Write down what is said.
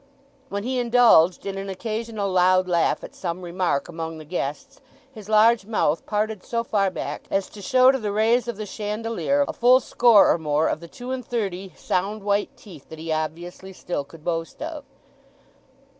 When he indulged in an occasional loud laugh at some remark among the guests, his large mouth parted so far back as to show to the rays of the chandelier a full score or more of the two and thirty sound white teeth that he obviously still could boast of.